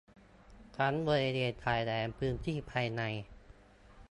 ทั้งบริเวณชายแดน พื้นที่ภายใน